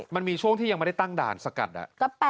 มันมีช่วงที่ยังไม่ได้ตั้งด่านสกัด